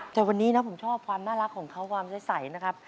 แต่วันนี้นะผมชอบความน่ารักของเขาความใสนะครับ